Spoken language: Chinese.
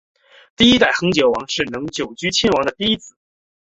第一代恒久王是能久亲王的第一子。